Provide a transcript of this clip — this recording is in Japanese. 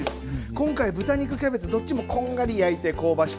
今回豚肉キャベツどっちもこんがり焼いて香ばしく